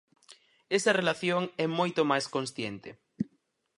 Esa relación é moito máis consciente.